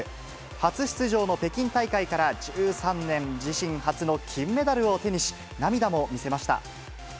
初出場の北京大会から１３年、自身初の金メダルを手にし、涙も見せました。